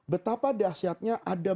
betapa dahsyatnya ada